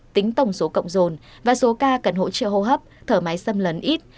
tính tổng số cộng rồn và số ca cần hỗ trợ hô hấp thở máy xâm lấn ít